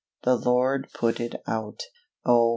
The Lord put it out. Oh!